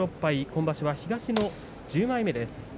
今場所は東の１０枚目です。